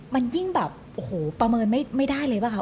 มันยิ่งแบบโอ้โหประเมินไม่ได้เลยป่ะคะ